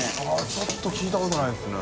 ちょっと聞いたことないですね。